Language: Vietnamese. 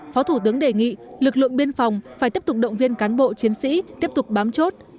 phó thủ tướng đề nghị lực lượng biên phòng phải tiếp tục động viên cán bộ chiến sĩ tiếp tục bám chốt